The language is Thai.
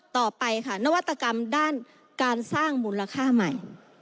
ต่อไปค่ะนวัตกรรมด้านการสร้างมูลค่าใหม่